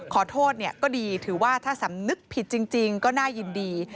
ขอโทษก็ดีถือว่าถ้าสำนึกผิดจริงก็น่ายินดี